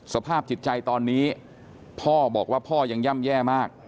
สภาพจิตใจตอนนี้พ่อบอกว่าพ่อยังย่ำแย่มาก